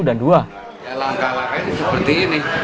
langkah langkah ini seperti ini